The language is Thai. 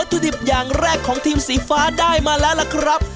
สามรูปเลี่ยงแรกของทีมสีฟ้าได้มาแล้วล่ะครับ